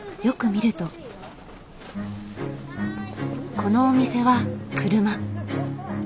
このお店は車。